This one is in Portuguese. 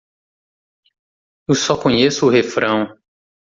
Eu só conheço o refrão.